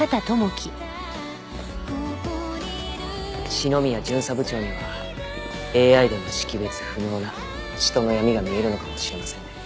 篠宮巡査部長にはＡＩでも識別不能な人の闇が見えるのかもしれませんね。